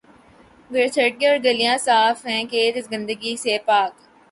سڑکیں اورگلیاں صاف ہیں، کھیت اس گندگی سے پاک۔